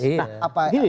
hak berundingnya iya